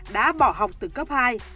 đã bỏ học từ cấp hai